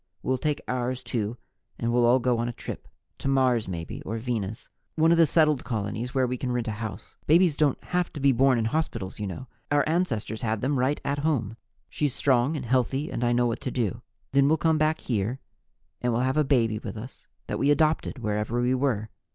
We'll take ours, too, and we'll all go on a trip to Mars, maybe, or Venus one of the settled colonies where we can rent a house. Babies don't have to be born in hospitals, you know; our ancestors had them right at home. She's strong and healthy and I know what to do. Then we'll come back here and we'll have a baby with us that we adopted wherever we were.